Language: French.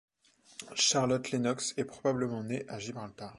Charlotte Lennox est probablement née à Gibraltar.